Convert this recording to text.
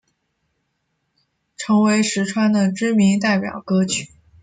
成为实川的知名代表歌曲。